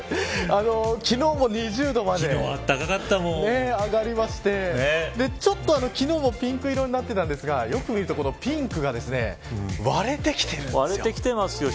昨日も２０度まで上がりまして昨日も少しピンク色になっていましたがよく見るとこのピンクが割れてきています。